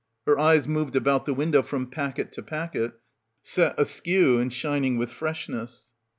Her eyes moved about the window from packet to packet, set askew and shining with freshness.